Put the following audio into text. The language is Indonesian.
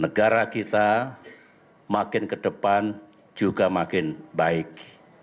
negara kita makin ke depan juga makin baik